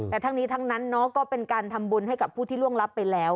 แต่ทั้งนี้ทั้งนั้นก็เป็นการทำบุญให้กับผู้ที่ล่วงรับไปแล้ว